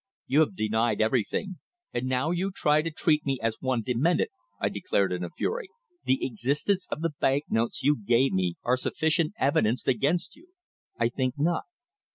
You have denied everything, and now you try to treat me as one demented!" I declared in a fury. "The existence of the bank notes you gave me are sufficient evidence against you." "I think not.